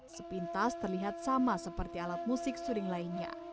sepintas terlihat sama seperti alat musik suring lainnya